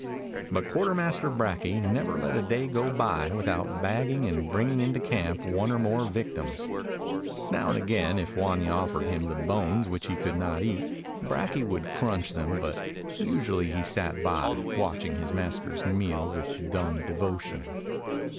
But Quartermaster Brakje never let a day go by without bagging and bringing into camp one or more victims. Now and again if Wanya offered him the bones which he could not eat Brakje would crunch them, but usually he sat by, watching his master's meal with dumb devotion.